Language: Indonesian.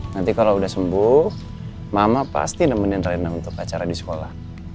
nanti kalau sudah sembuh mama pasti nemenin renang untuk acara di sekolah